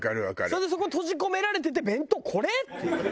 それでそこに閉じ込められてて弁当これ？っていう。